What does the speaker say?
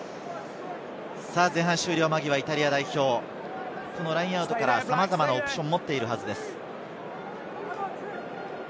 前半終了間際、イタリア代表、ラインアウトからさまざまなオプションを持っているはずです。